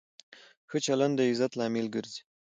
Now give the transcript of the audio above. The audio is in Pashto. ښه چلند د عزت لامل ګرځي.